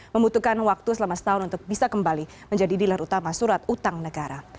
membutuhkan waktu selama setahun untuk bisa kembali menjadi dealer utama surat utang negara